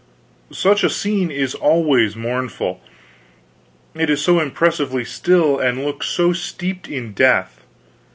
Such a scene is always mournful, it is so impressively still, and looks so steeped in death.